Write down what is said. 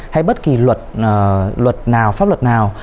hay bất kỳ luật nào pháp luật nào